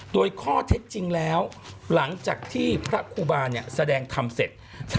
โดยข้อเท็จจริงแล้วหลังจากที่พระครูบาแสดงธรรมเสร็จ